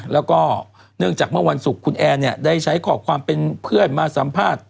แล้วก็เนื่องจากเมื่อวันศุกร์คุณแอนเนี่ยได้ใช้ขอความเป็นเพื่อนมาสัมภาษณ์